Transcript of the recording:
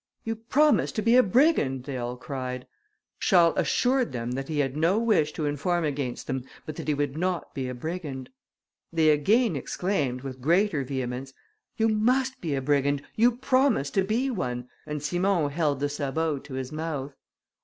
"You promised to be a brigand," they all cried. Charles assured them that he had no wish to inform against them but that he would not be a brigand. They again exclaimed, with greater vehemence, "You must be a brigand, you promised to be one," and Simon held the sabot to his mouth.